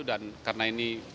dan karena ini